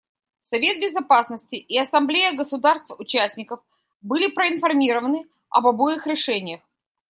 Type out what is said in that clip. Совет Безопасности и Ассамблея государств-участников были проинформированы об обоих решениях.